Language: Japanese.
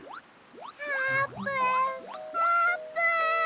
あーぷんあーぷん！